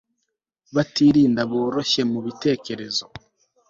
batirinda boroshye mu bitekerezo